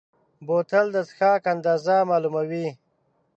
بوتل د څښاک اندازه معلوموي.